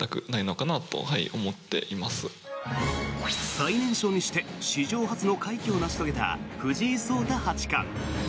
最年少にして史上初の快挙を成し遂げた藤井聡太八冠。